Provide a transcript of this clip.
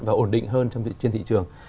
và ổn định hơn trên thị trường